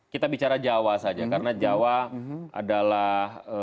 kita bicara jawa saja karena jawa adalah